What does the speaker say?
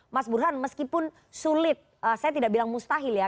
mas burhan meskipun sulit saya tidak bilang mustahil ya